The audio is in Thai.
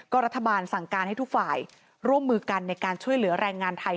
ก็รัฐบาลสั่งการให้ทุกฝ่ายร่วมมือกันในการช่วยเหลือแรงงานไทย